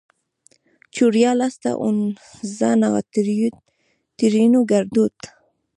چوریا لاسته اونزنا؛ ترينو ګړدود